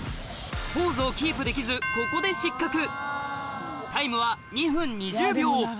ポーズをキープできずここで失格タイムはえっ？